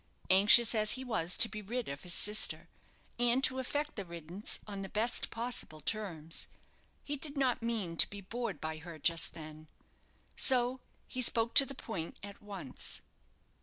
Anxious as he was to be rid of his sister, and to effect the riddance on the best possible terms, he did not mean to be bored by her just then. So he spoke to the point at once.